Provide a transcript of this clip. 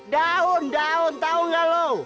daun daun tau gak lo